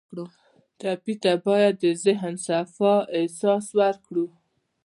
ټپي ته باید د ذهن صفا احساس ورکړو.